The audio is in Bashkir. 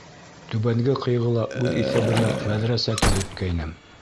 Түбәнге Ҡыйғыла үҙ иҫәбемә мәҙрәсә төҙөткәйнем.